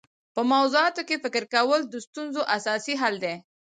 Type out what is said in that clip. په موضوعاتو کي فکر کول د ستونزو اساسي حل دی.